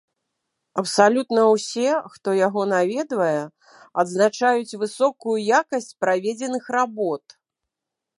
Абсалютна ўсе, хто яго наведвае, адзначаюць высокую якасць праведзеных работ.